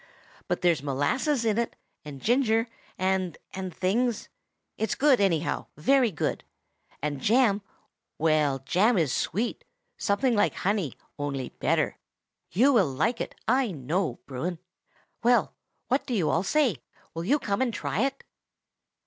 But there's molasses in it, and ginger, and things; it's good, anyhow, very good. And jam—well, jam is sweet, something like honey, only better. You will like it, I know, Bruin. "Well, what do you all say? Will you come and try it?"